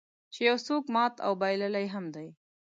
چې یو څوک مات او بایللی هم دی.